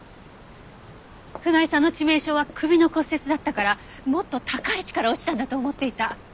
船井さんの致命傷は首の骨折だったからもっと高い位置から落ちたんだと思っていた。